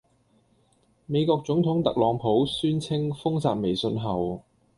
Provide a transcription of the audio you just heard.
美國總統特朗普宣稱封殺微信後